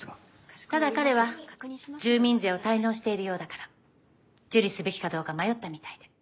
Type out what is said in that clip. ただ彼は住民税を滞納しているようだから受理すべきかどうか迷ったみたいで。